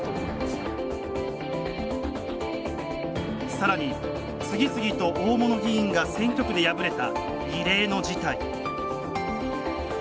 さらに次々と大物議員が選挙区で敗れた異例の事態。